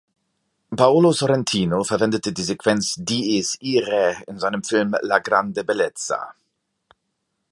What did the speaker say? Paolo Sorrentino verwendete die Sequenz "Dies Irae" in seinem Film La Grande Bellezza.